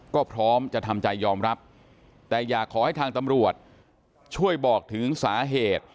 ก็พร้อมจะทำใจยอมรับแต่อยากขอให้ทางตำรวจช่วยบอกถึงสาเหตุ